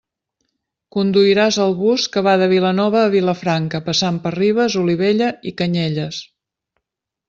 Conduiràs el bus que va de Vilanova a Vilafranca passant per Ribes, Olivella i Canyelles.